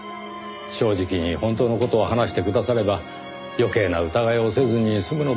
正直に本当の事を話してくだされば余計な疑いをせずに済むのですがねぇ。